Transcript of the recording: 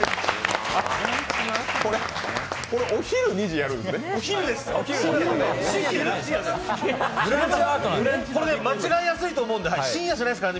これ、お昼２時にやるんだね？